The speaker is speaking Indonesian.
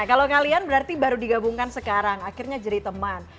kalau kalian berarti baru digabungkan sekarang akhirnya jadi teman